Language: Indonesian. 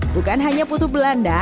bukan hanya putu belanda